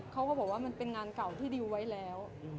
เขาก็บอกว่ามันเป็นงานเก่าที่ดิวไว้แล้ว